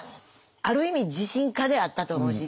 ある意味自信家であったと思うし。